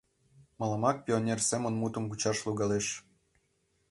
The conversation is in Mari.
— Мыламак пионер семын мутым кучаш логалеш.